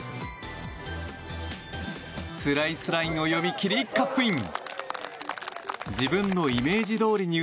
スライスラインを読み切りカップイン。